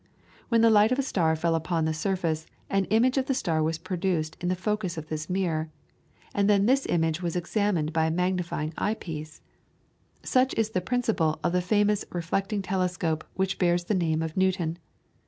When the light of a star fell upon the surface, an image of the star was produced in the focus of this mirror, and then this image was examined by a magnifying eye piece. Such is the principle of the famous reflecting telescope which bears the name of Newton.